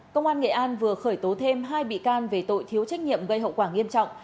công an nghệ an vừa khởi tố thêm hai bị can về tội thiếu trách nhiệm gây hậu quả nghiêm trọng